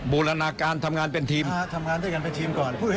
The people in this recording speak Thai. บูรณาการทำงานเป็นทีม